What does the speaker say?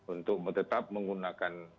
untuk tetap menggunakan